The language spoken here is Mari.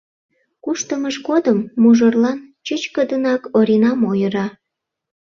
Куштымыж годым мужырлан чӱчкыдынак Оринам ойыра.